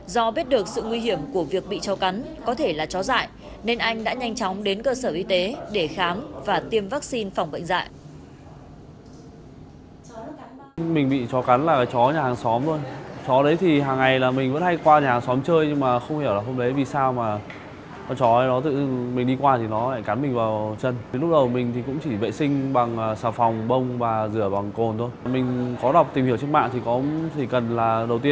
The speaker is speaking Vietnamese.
do biết được sự nguy hiểm của việc bị chó cắn có thể là chó dại nên anh đã nhanh chóng đến cơ sở y tế để khám và tiêm vaccine phòng bệnh dại